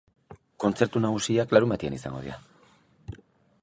Kontzertu nagusiak larunbatean izango dira.